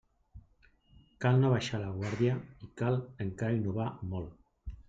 Cal no abaixar la guàrdia i cal encara innovar molt.